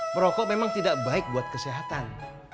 merokok memang tidak baik buat kesehatan